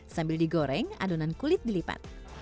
sambil digoreng adonan kulit dilipat